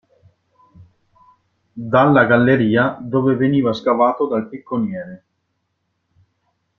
Dalla galleria dove veniva scavato dal picconiere.